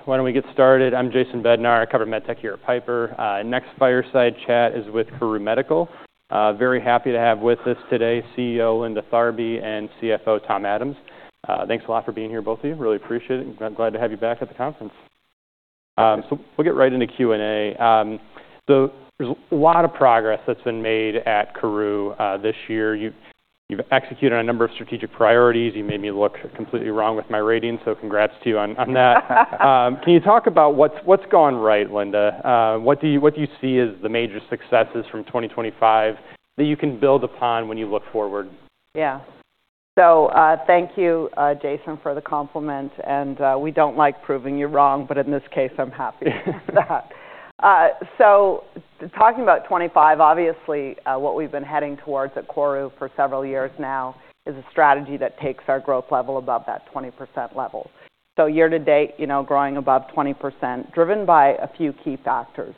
All right. Why don't we get started? I'm Jason Bednar. I cover med tech here at Piper. The next fireside chat is with KORU Medical. Very happy to have with us today CEO Linda Tharby and CFO Tom Adams. Thanks a lot for being here, both of you. Really appreciate it. I'm glad to have you back at the conference. We'll get right into Q&A. There's a lot of progress that's been made at KORU this year. You've executed on a number of strategic priorities. You made me look completely wrong with my rating, so congrats to you on that. Can you talk about what's gone right, Linda? What do you see as the major successes from 2025 that you can build upon when you look forward? Yeah. Thank you, Jason, for the compliment. We don't like proving you wrong, but in this case, I'm happy with that. Talking about 2025, obviously, what we've been heading towards at KORU for several years now is a strategy that takes our growth level above that 20% level. Year to date, you know, growing above 20% driven by a few key factors.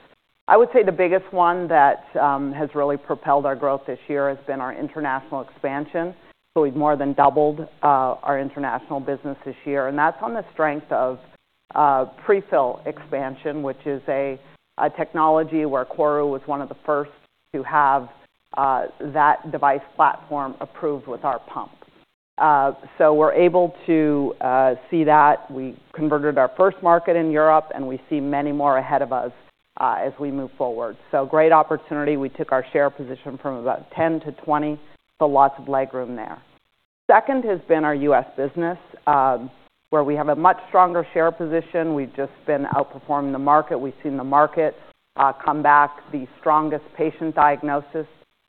I would say the biggest one that has really propelled our growth this year has been our international expansion. We've more than doubled our international business this year. That's on the strength of prefill expansion, which is a technology where KORU was one of the first to have that device platform approved with our pump. We're able to see that. We converted our first market in Europe, and we see many more ahead of us as we move forward. Great opportunity. We took our share position from about 10% to 20%, so lots of leg room there. Second has been our U.S. business, where we have a much stronger share position. We've just been outperforming the market. We've seen the market come back, the strongest patient diagnosis.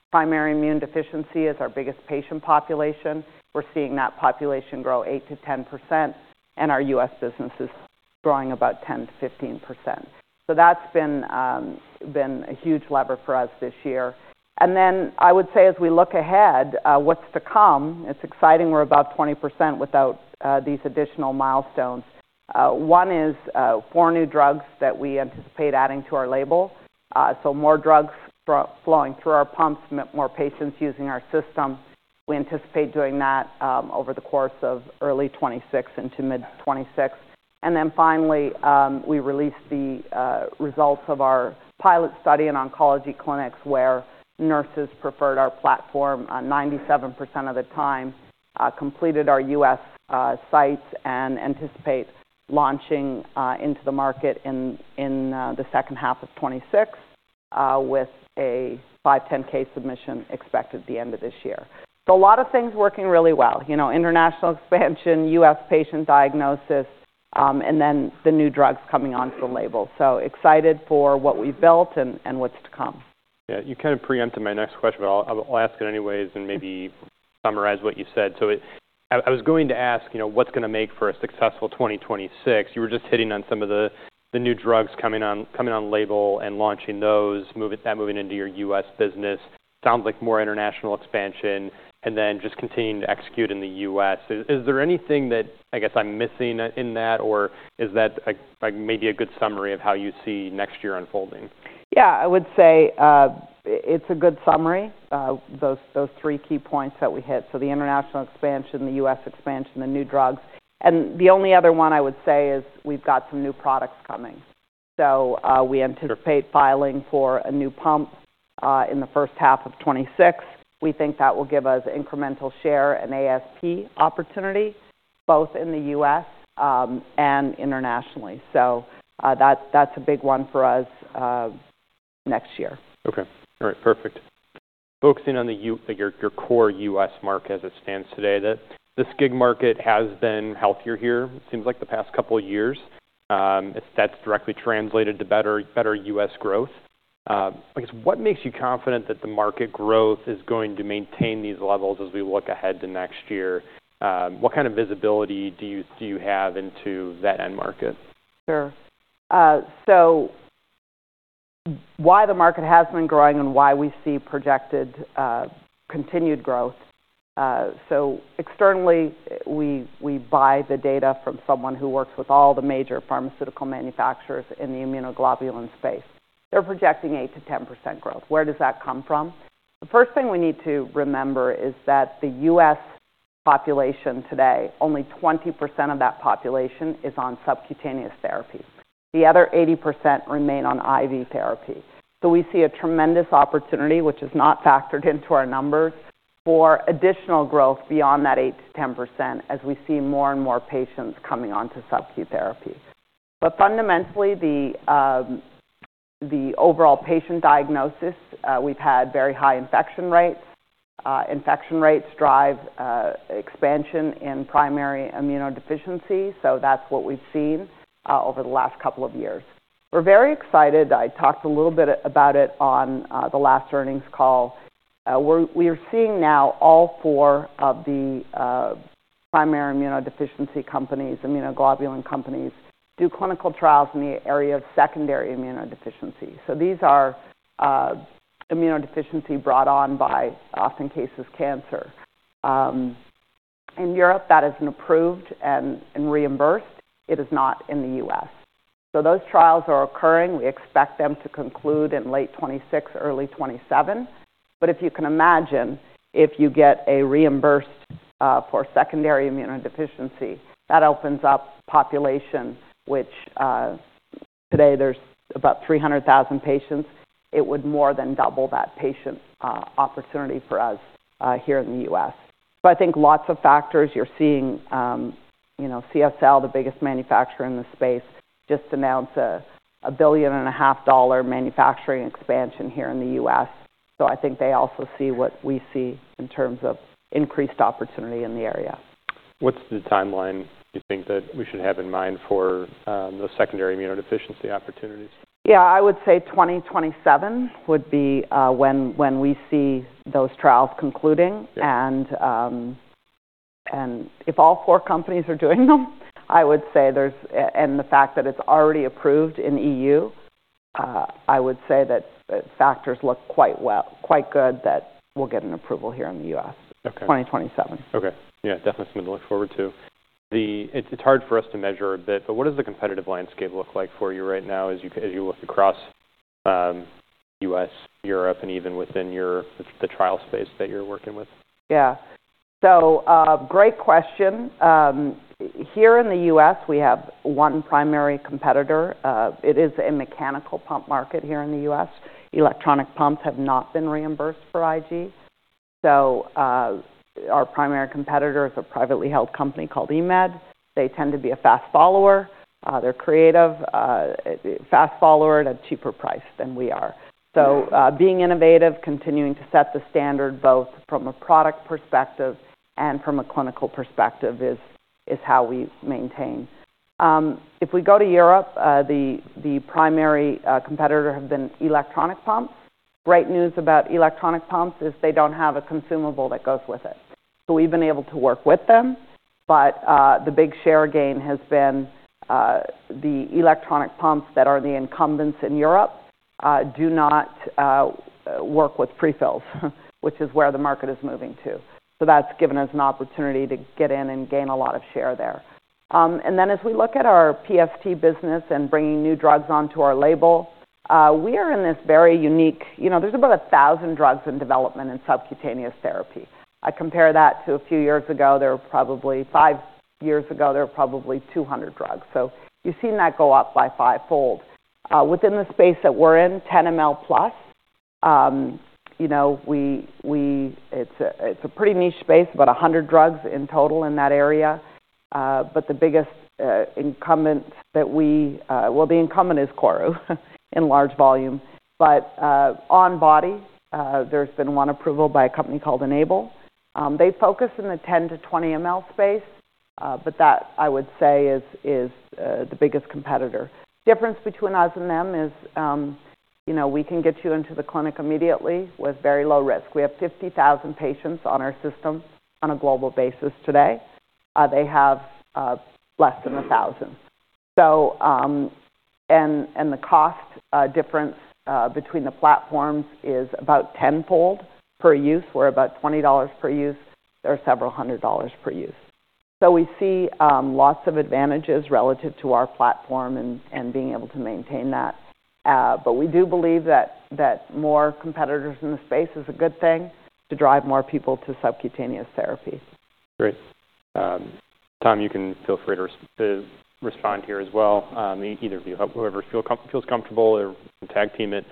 Primary immune deficiency is our biggest patient population. We're seeing that population grow 8%-10%, and our U.S. business is growing about 10%-15%. That's been a huge lever for us this year. I would say as we look ahead, what's to come, it's exciting. We're above 20% without these additional milestones. One is four new drugs that we anticipate adding to our label, so more drugs flowing through our pumps, more patients using our system. We anticipate doing that over the course of early 2026 into mid-2026. Finally, we released the results of our pilot study in oncology clinics where nurses preferred our platform 97% of the time, completed our U.S. sites and anticipate launching into the market in the second half of 2026, with a 510(k) submission expected at the end of this year. A lot of things are working really well, you know, international expansion, U.S. patient diagnosis, and then the new drugs coming onto the label. Excited for what we've built and what's to come. Yeah. You kind of preempted my next question, but I'll ask it anyways and maybe summarize what you said. It, I was going to ask, you know, what's gonna make for a successful 2026? You were just hitting on some of the new drugs coming on, coming on label and launching those, moving that, moving into your U.S. business. Sounds like more international expansion and then just continuing to execute in the U.S. Is there anything that I guess I'm missing in that, or is that maybe a good summary of how you see next year unfolding? Yeah. I would say it's a good summary, those three key points that we hit. The international expansion, the U.S. expansion, the new drugs. The only other one I would say is we've got some new products coming. We anticipate filing for a new pump in the first half of 2026. We think that will give us incremental share and ASP opportunity both in the U.S. and internationally. That is a big one for us next year. Okay. All right. Perfect. Focusing on your core U.S. market as it stands today, the SCIg market has been healthier here, it seems like the past couple of years. That's directly translated to better U.S. growth. I guess what makes you confident that the market growth is going to maintain these levels as we look ahead to next year? What kind of visibility do you have into that end market? Sure. Why the market has been growing and why we see projected, continued growth? Externally, we buy the data from someone who works with all the major pharmaceutical manufacturers in the immunoglobulin space. They're projecting 8%-10% growth. Where does that come from? The first thing we need to remember is that the U.S. population today, only 20% of that population is on subcutaneous therapy. The other 80% remain on IV therapy. We see a tremendous opportunity, which is not factored into our numbers for additional growth beyond that 8%-10% as we see more and more patients coming onto subcu therapy. Fundamentally, the overall patient diagnosis, we've had very high infection rates. Infection rates drive expansion in primary immunodeficiency. That's what we've seen over the last couple of years. We're very excited. I talked a little bit about it on the last earnings call. We are seeing now all four of the primary immunodeficiency companies, immunoglobulin companies do clinical trials in the area of secondary immunodeficiency. These are immunodeficiency brought on by, often cases, cancer. In Europe, that has been approved and reimbursed. It is not in the U.S. Those trials are occurring. We expect them to conclude in late 2026, early 2027. If you can imagine, if you get a reimbursed for secondary immunodeficiency, that opens up population, which, today there's about 300,000 patients. It would more than double that patient opportunity for us, here in the U.S. I think lots of factors. You're seeing, you know, CSL, the biggest manufacturer in the space, just announced a $1.5 billion manufacturing expansion here in the U.S. I think they also see what we see in terms of increased opportunity in the area. What's the timeline you think that we should have in mind for those secondary immunodeficiency opportunities? Yeah. I would say 2027 would be when we see those trials concluding. Yeah. If all four companies are doing them, I would say there's, and the fact that it's already approved in the EU, I would say that the factors look quite well, quite good that we'll get an approval here in the U.S. Okay. 2027. Okay. Yeah. Definitely something to look forward to. It's hard for us to measure a bit, but what does the competitive landscape look like for you right now as you look across the U.S., Europe, and even within the trial space that you're working with? Yeah. Great question. Here in the U.S., we have one primary competitor. It is a mechanical pump market here in the U.S. Electronic pumps have not been reimbursed for Ig. Our primary competitor is a privately held company called EMED. They tend to be a fast follower. They're creative, fast follower at a cheaper price than we are. Being innovative, continuing to set the standard both from a product perspective and from a clinical perspective is how we maintain. If we go to Europe, the primary competitor has been electronic pumps. Great news about electronic pumps is they do not have a consumable that goes with it. We have been able to work with them, but the big share gain has been the electronic pumps that are the incumbents in Europe do not work with prefills, which is where the market is moving to. That's given us an opportunity to get in and gain a lot of share there. And then as we look at our PST business and bringing new drugs onto our label, we are in this very unique, you know, there's about 1,000 drugs in development in subcutaneous therapy. I compare that to a few years ago, probably five years ago, there were probably 200 drugs. You've seen that go up by fivefold. Within the space that we're in, 10 mL +, you know, it's a pretty niche space, about 100 drugs in total in that area. The biggest incumbent that we, well, the incumbent is KORU in large volume, but on-body, there's been one approval by a company called Enable. They focus in the 10 mL-20 mL space, but that I would say is the biggest competitor. Difference between us and them is, you know, we can get you into the clinic immediately with very low risk. We have 50,000 patients on our system on a global basis today. They have less than a thousand. The cost difference between the platforms is about tenfold per use. We're about $20 per use. They are several hundred dollars per use. We see lots of advantages relative to our platform and being able to maintain that. We do believe that more competitors in the space is a good thing to drive more people to subcutaneous therapy. Great. Tom, you can feel free to respond here as well. Either of you, whoever feels comfortable or tag team it.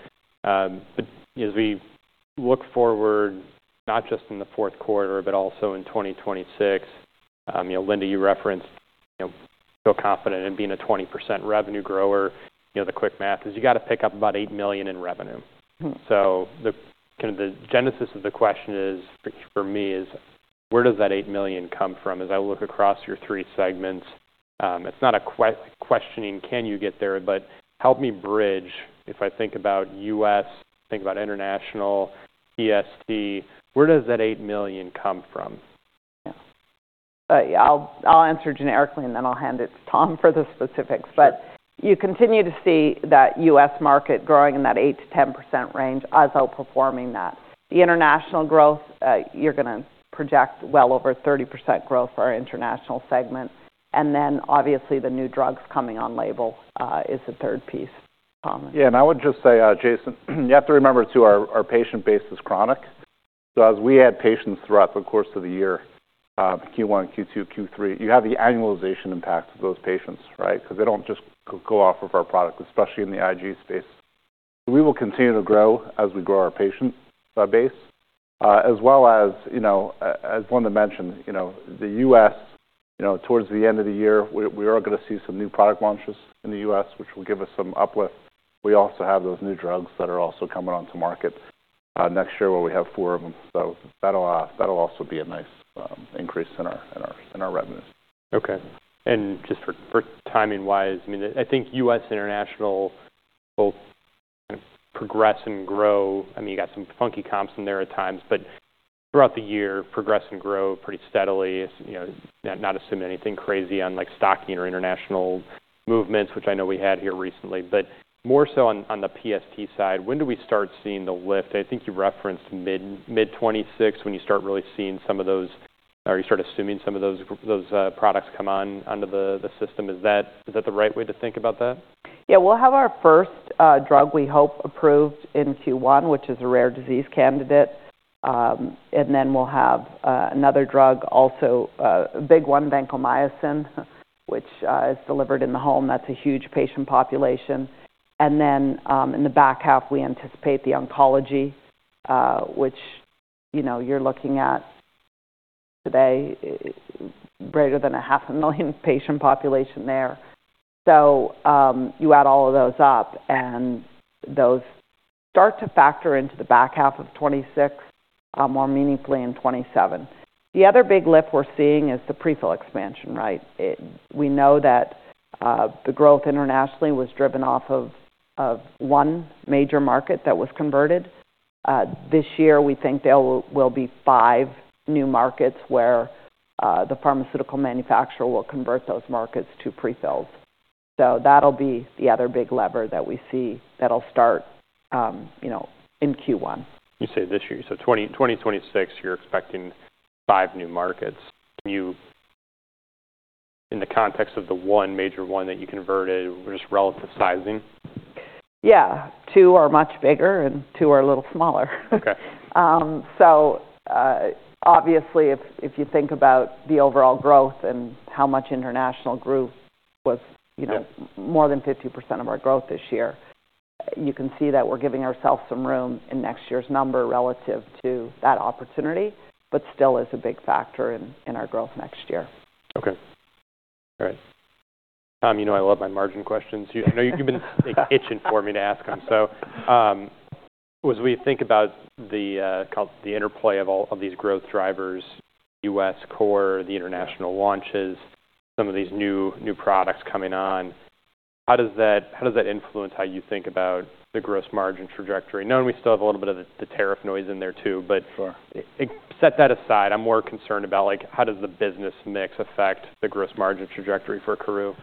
As we look forward, not just in the fourth quarter, but also in 2026, you know, Linda, you referenced, you know, feel confident in being a 20% revenue grower. You know, the quick math is you gotta pick up about $8 million in revenue. The genesis of the question for me is where does that $8 million come from? As I look across your three segments, it's not a question of can you get there, but help me bridge. If I think about U.S., think about international, PST, where does that $8 million come from? Yeah. I'll answer generically and then I'll hand it to Tom for the specifics. You continue to see that U.S. market growing in that 8%-10% range as outperforming that. The international growth, you're gonna project well over 30% growth for our international segment. Obviously the new drugs coming on label is the third piece, Tom. Yeah. I would just say, Jason, you have to remember too, our patient base is chronic. As we add patients throughout the course of the year, Q1, Q2, Q3, you have the annualization impact of those patients, right? They do not just go off of our product, especially in the Ig space. We will continue to grow as we grow our patient base, as well as, you know, as Linda mentioned, the U.S., towards the end of the year, we are gonna see some new product launches in the U.S., which will give us some uplift. We also have those new drugs that are also coming onto market next year where we have four of them. That will also be a nice increase in our revenues. Okay. Just for timing wise, I mean, I think U.S. international will kind of progress and grow. I mean, you got some funky comps in there at times, but throughout the year, progress and grow pretty steadily, you know, not assume anything crazy on like stocking or international movements, which I know we had here recently, but more so on the PST side, when do we start seeing the lift? I think you referenced mid, mid-2026 when you start really seeing some of those, or you start assuming some of those, those, products come on, onto the, the system. Is that, is that the right way to think about that? Yeah. We'll have our first drug we hope approved in Q1, which is a rare disease candidate, and then we'll have another drug also, a big one, vancomycin, which is delivered in the home. That's a huge patient population. In the back half, we anticipate the oncology, which, you know, you're looking at today, greater than 500,000 patient population there. You add all of those up and those start to factor into the back half of 2026, more meaningfully in 2027. The other big lift we're seeing is the prefill expansion, right? We know that the growth internationally was driven off of one major market that was converted. This year we think there will be five new markets where the pharmaceutical manufacturer will convert those markets to prefills. That'll be the other big lever that we see that'll start, you know, in Q1. You say this year. 2026, you're expecting five new markets. Can you, in the context of the one major one that you converted, just relative sizing? Yeah. Two are much bigger and two are a little smaller. Okay. Obviously, if you think about the overall growth and how much international grew was, you know, more than 50% of our growth this year, you can see that we're giving ourselves some room in next year's number relative to that opportunity, but still is a big factor in our growth next year. Okay. All right. Tom, you know, I love my margin questions. You, I know you've been itching for me to ask them. As we think about the, called the interplay of all of these growth drivers, U.S. core, the international launches, some of these new, new products coming on, how does that, how does that influence how you think about the gross margin trajectory? Knowing we still have a little bit of the, the tariff noise in there too. Sure. Set that aside, I'm more concerned about like how does the business mix affect the gross margin trajectory for KORU?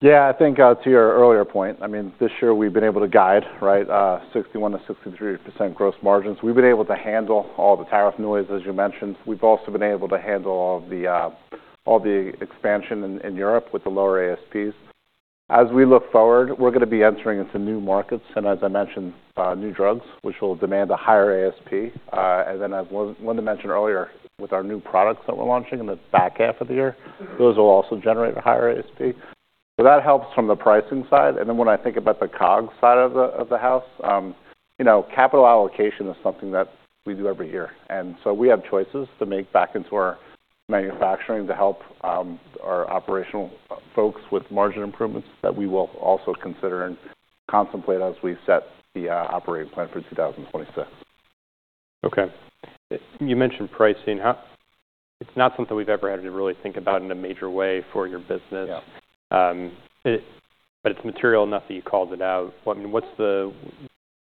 Yeah. I think to your earlier point, I mean, this year we've been able to guide, right, 61%-63% gross margins. We've been able to handle all the tariff noise, as you mentioned. We've also been able to handle all the, all the expansion in Europe with the lower ASPs. As we look forward, we're gonna be entering into new markets and, as I mentioned, new drugs, which will demand a higher ASP. As Linda mentioned earlier, with our new products that we're launching in the back half of the year, those will also generate a higher ASP. That helps from the pricing side. When I think about the COGS side of the house, you know, capital allocation is something that we do every year. We have choices to make back into our manufacturing to help our operational folks with margin improvements that we will also consider and contemplate as we set the operating plan for 2026. Okay. You mentioned pricing, how it's not something we've ever had to really think about in a major way for your business. Yeah. It's material enough that you called it out. I mean, what's the,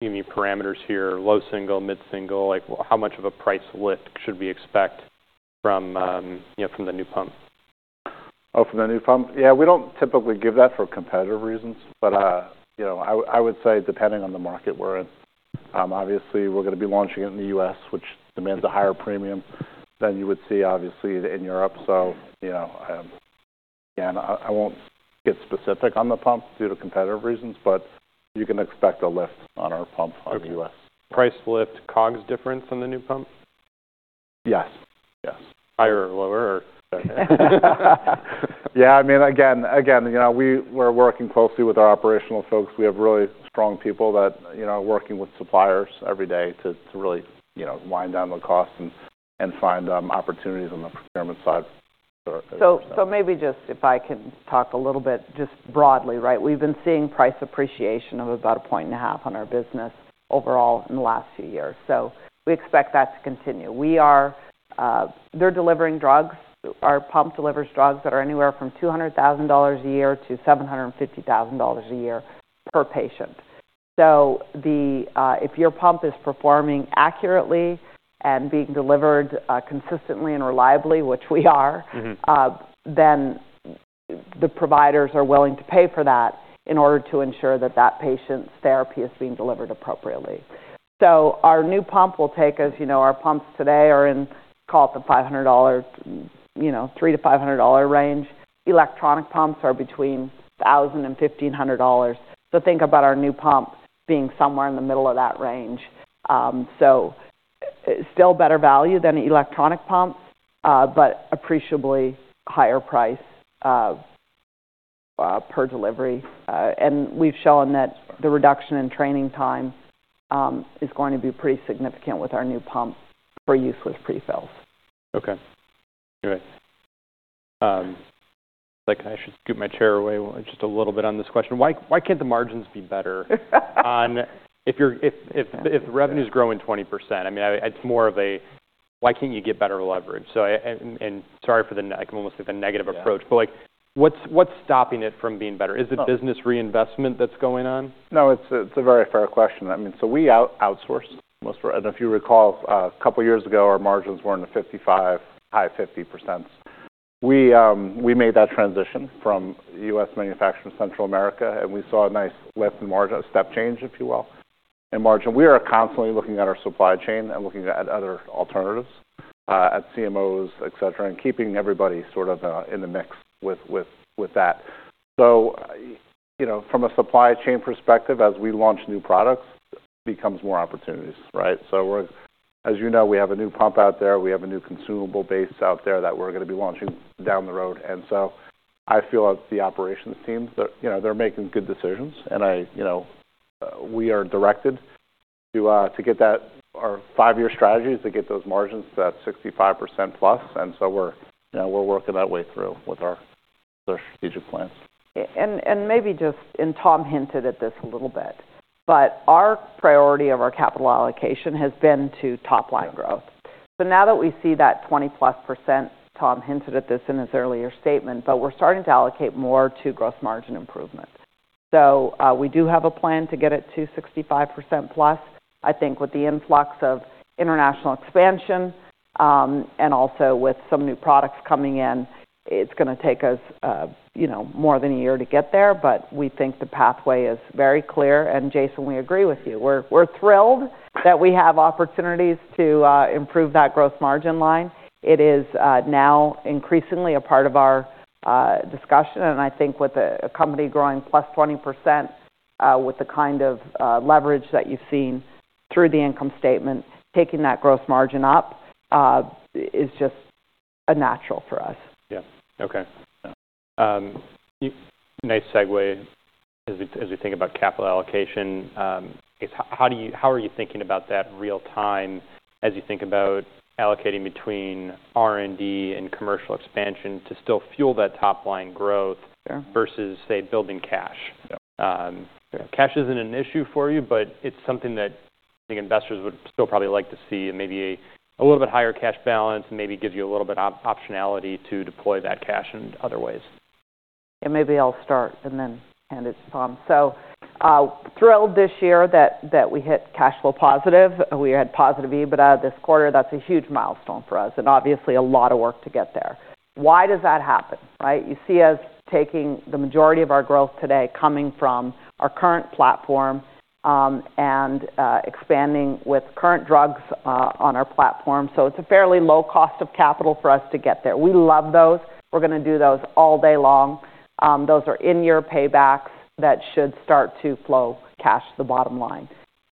you know, parameters here? Low single, mid-single, like how much of a price lift should we expect from, you know, from the new pump? Oh, from the new pump? Yeah. We do not typically give that for competitive reasons, but, you know, I would say depending on the market we are in, obviously we are going to be launching it in the U.S., which demands a higher premium than you would see obviously in Europe. You know, again, I will not get specific on the pump due to competitive reasons, but you can expect a lift on our pump. Okay. In the U.S. Price lift, COGS difference on the new pump? Yes. Yes. Higher or lower or? Yeah. I mean, again, you know, we were working closely with our operational folks. We have really strong people that, you know, are working with suppliers every day to really, you know, wind down the costs and find opportunities on the procurement side. Maybe just if I can talk a little bit just broadly, right? We've been seeing price appreciation of about 1.5% on our business overall in the last few years. We expect that to continue. We are, they're delivering drugs. Our pump delivers drugs that are anywhere from $200,000 a year to $750,000 a year per patient. If your pump is performing accurately and being delivered consistently and reliably, which we are, then the providers are willing to pay for that in order to ensure that that patient's therapy is being delivered appropriately. Our new pump will take, as you know, our pumps today are in, call it the $500, you know, $300-$500 range. Electronic pumps are between $1,000 and $1,500. Think about our new pumps being somewhere in the middle of that range. Still better value than electronic pumps, but appreciably higher price per delivery. And we've shown that the reduction in training time is going to be pretty significant with our new pump for use with prefilleds. Okay. All right. Like I should scoop my chair away just a little bit on this question. Why, why can't the margins be better if the revenues grow 20%? I mean, it's more of a, why can't you get better leverage? I can almost say the negative approach, but like what's stopping it from being better? Is it business reinvestment that's going on? No, it's, it's a very fair question. I mean, we outsource most of our, and if you recall, a couple years ago, our margins were in the 55%, high 50%. We made that transition from U.S. manufacturing to Central America, and we saw a nice lift in margin, a step change, if you will, in margin. We are constantly looking at our supply chain and looking at other alternatives, at CMOs, etc., and keeping everybody sort of in the mix with that. You know, from a supply chain perspective, as we launch new products, it becomes more opportunities, right? As you know, we have a new pump out there. We have a new consumable base out there that we're gonna be launching down the road. I feel that the operations team, you know, they're making good decisions. I, you know, we are directed to get that, our five-year strategy is to get those margins to that 65%+. We are, you know, working that way through with our strategic plans. Maybe just, and Tom hinted at this a little bit, but our priority of our capital allocation has been to top-line growth. Now that we see that 20%+, Tom hinted at this in his earlier statement, but we're starting to allocate more to gross margin improvement. We do have a plan to get it to 65%+. I think with the influx of international expansion, and also with some new products coming in, it's gonna take us, you know, more than a year to get there, but we think the pathway is very clear. Jason, we agree with you. We're thrilled that we have opportunities to improve that gross margin line. It is now increasingly a part of our discussion. I think with a company growing +20%, with the kind of leverage that you've seen through the income statement, taking that gross margin up, is just a natural for us. Yeah. Okay. Nice segue as we think about capital allocation. How do you, how are you thinking about that real time as you think about allocating between R&D and commercial expansion to still fuel that top-line growth versus, say, building cash? Cash is not an issue for you, but it is something that I think investors would still probably like to see, maybe a little bit higher cash balance, maybe gives you a little bit of optionality to deploy that cash in other ways. Maybe I'll start and then, and it's Tom. Thrilled this year that we hit cash flow positive. We had positive EBITDA this quarter. That's a huge milestone for us. Obviously a lot of work to get there. Why does that happen, right? You see us taking the majority of our growth today coming from our current platform, and expanding with current drugs on our platform. It's a fairly low cost of capital for us to get there. We love those. We're gonna do those all day long. Those are in-year paybacks that should start to flow cash to the bottom line.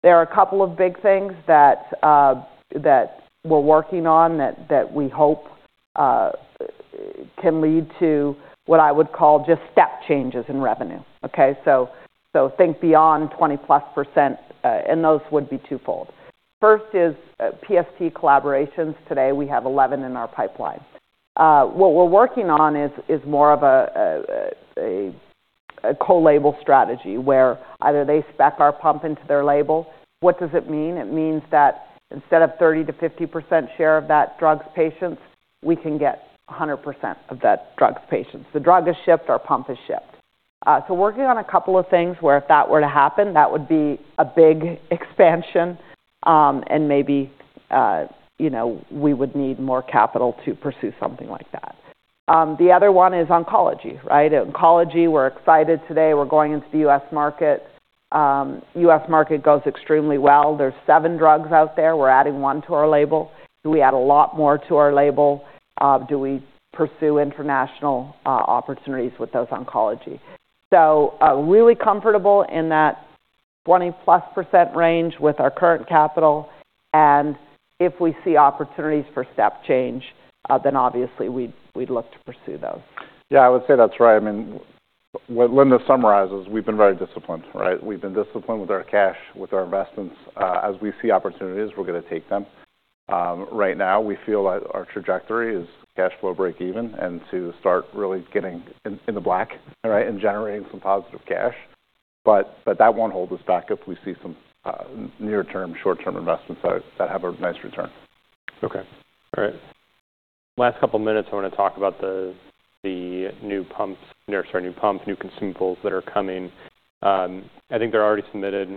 There are a couple of big things that we're working on that we hope can lead to what I would call just step changes in revenue. Think beyond 20%+, and those would be twofold. First is PST collaborations. Today we have 11 in our pipeline. What we're working on is more of a co-label strategy where either they spec our pump into their label. What does it mean? It means that instead of 30%-50% share of that drug's patients, we can get 100% of that drug's patients. The drug is shipped, our pump is shipped. Working on a couple of things where if that were to happen, that would be a big expansion, and maybe, you know, we would need more capital to pursue something like that. The other one is oncology, right? Oncology, we're excited today. We're going into the U.S. market. U.S. market goes extremely well. There are seven drugs out there. We're adding one to our label. Do we add a lot more to our label? Do we pursue international opportunities with those oncology? Really comfortable in that 20%+ range with our current capital. If we see opportunities for step change, then obviously we'd look to pursue those. Yeah. I would say that's right. I mean, what Linda summarizes, we've been very disciplined, right? We've been disciplined with our cash, with our investments. As we see opportunities, we're gonna take them. Right now we feel that our trajectory is cash flow breakeven and to start really getting in, in the black, right, and generating some positive cash. That won't hold us back if we see some near-term, short-term investments that have a nice return. Okay. All right. Last couple minutes, I wanna talk about the, the new pumps, new, sorry, new pumps, new consumables that are coming. I think they're already submitted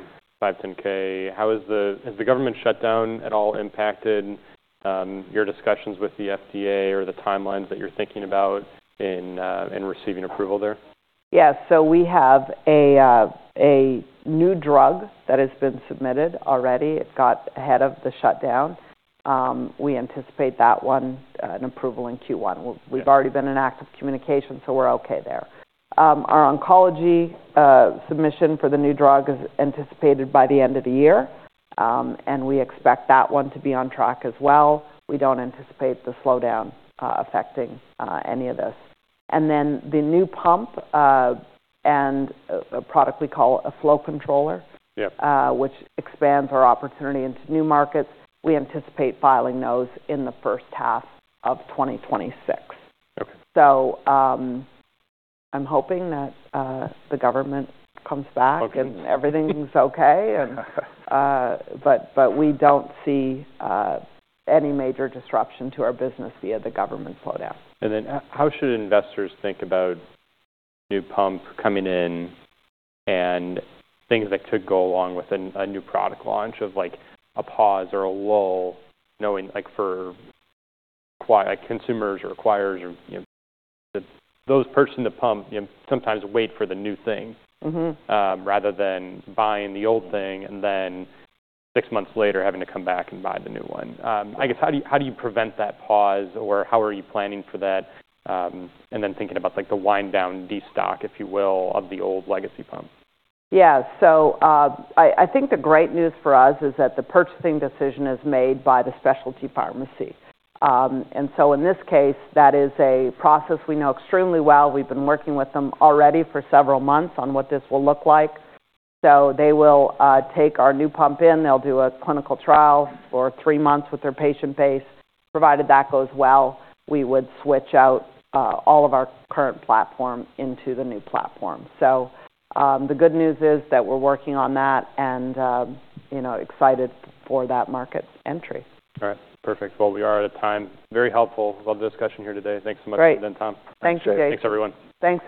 510(k). How has the, has the government shutdown at all impacted your discussions with the FDA or the timelines that you're thinking about in, in receiving approval there? Yeah. We have a new drug that has been submitted already. It got ahead of the shutdown. We anticipate that one, an approval in Q1. We've already been in active communication, so we're okay there. Our oncology submission for the new drug is anticipated by the end of the year. We expect that one to be on track as well. We don't anticipate the slowdown affecting any of this. Then the new pump, and a product we call a flow controller. Yeah. Which expands our opportunity into new markets. We anticipate filing those in the first half of 2026. Okay. I'm hoping that the government comes back and everything's okay, but we don't see any major disruption to our business via the government slowdown. How should investors think about new pump coming in and things that could go along with a new product launch of like a pause or a lull, knowing like for, like, consumers or acquirers or, you know, those purchasing the pump, you know, sometimes wait for the new thing? Mm-hmm. Rather than buying the old thing and then six months later having to come back and buy the new one. I guess how do you, how do you prevent that pause or how are you planning for that, and then thinking about like the wind down, destock, if you will, of the old legacy pump? Yeah. I think the great news for us is that the purchasing decision is made by the specialty pharmacy, and so in this case, that is a process we know extremely well. We've been working with them already for several months on what this will look like. They will take our new pump in. They'll do a clinical trial for three months with their patient base. Provided that goes well, we would switch out all of our current platform into the new platform. The good news is that we're working on that and, you know, excited for that market entry. All right. Perfect. We are at a time. Very helpful. Love the discussion here today. Thanks so much for your time. Great. Thank you, Jason. Thanks, everyone. Thanks.